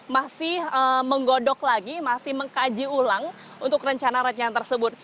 masih menggodok lagi masih mengkaji ulang untuk rencana rencana tersebut